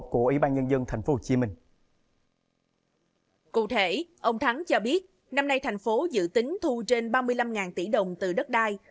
cụ thể ông thắng cho biết năm nay thành phố dự tính thu trên ba mươi năm tỷ đồng từ đất đai